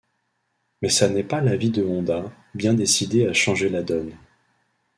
Mais ça n'est pas l'avis de Honda, bien décidé à changer la donne.